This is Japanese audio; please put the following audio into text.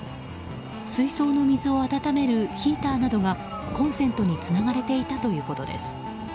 水槽の水を温めるヒーターなどがコンセントにつながれていたということです。